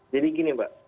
jadi gini mbak